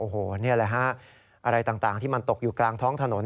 โอ้โหนี่แหละฮะอะไรต่างที่มันตกอยู่กลางท้องถนน